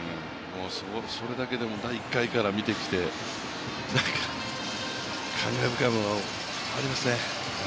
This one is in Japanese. それだけ、第１回から見てきて感慨深いものがありますね。